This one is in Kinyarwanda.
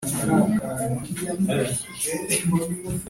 n umwe keretse Yehohahaziya w umuhererezi